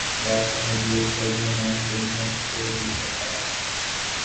خدا کے حضور سجدے میں گرنے کو دل کرتا تھا